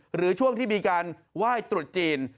หรือช่วงที่มีการไหว้ตรุษจีน